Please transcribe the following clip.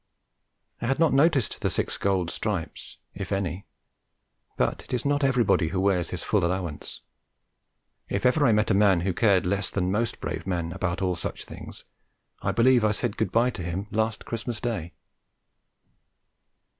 I had not noticed the six gold stripes if any but it is not everybody who wears his full allowance. And if ever I met a man who cared less than most brave men about all such things, I believe I said good bye to him last Christmas Day.